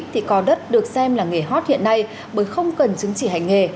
thì có đất được xem là nghề hot hiện nay bởi không cần chứng chỉ hành nghề